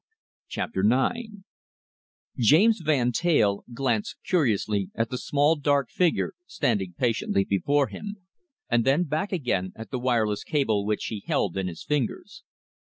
CHAPTER IX James Van Teyl glanced curiously at the small, dark figure standing patiently before him, and then back again at the wireless cable which he held in his fingers.